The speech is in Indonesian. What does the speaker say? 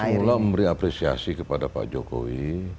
semula memberi apresiasi kepada pak jokowi